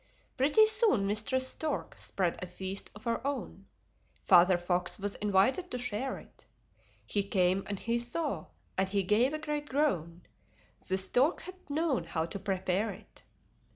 Pretty soon Mistress Stork spread a feast of her own; Father Fox was invited to share it. He came, and he saw, and he gave a great groan: The stork had known how to prepare it.